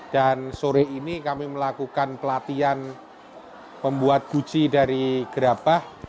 dan sore ini kami melakukan pelatihan membuat buji dari gerabah